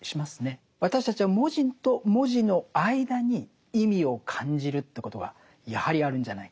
私たちは文字と文字の間に意味を感じるということはやはりあるんじゃないか。